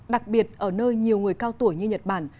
đặc biệt ở nơi nhiều người cao tuổi như nhật bản